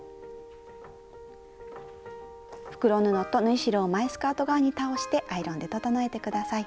袋布と縫い代を前スカート側に倒してアイロンで整えて下さい。